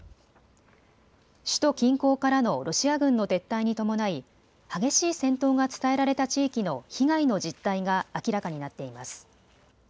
首都近郊からのロシア軍の撤退に伴い激しい戦闘が伝えられた地域の被害の実態が明らかになっています。